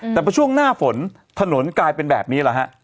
แต่พอช่วงหน้าฝนถนนกลายเป็นแบบนี้แหละฮะ